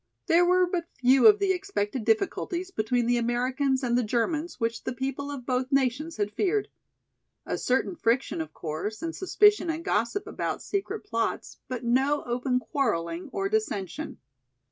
There were but few of the expected difficulties between the Americans and the Germans which the people of both nations had feared. A certain friction of course and suspicion and gossip about secret plots, but no open quarreling or dissension.